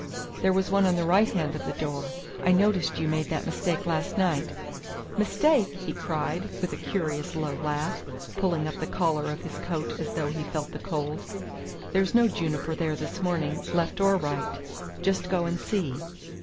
"There was one on the right hand of the door. I noticed you made that mistake last night." "Mistake!" he cried, with a curious low laugh, pulling up the collar of his coat as though he felt the cold, "there's no juniper there this morning, left or right. Just go and see."